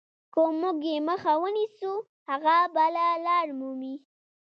که موږ یې مخه ونیسو هغه بله لار مومي.